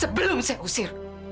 sebelum saya usir